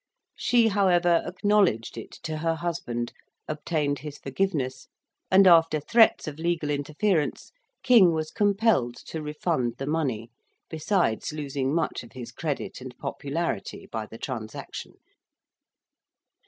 She, however, acknowledged it to her husband, obtained his forgiveness, and after threats of legal interference, King was compelled to refund the money, besides losing much of his credit and popularity by the transaction.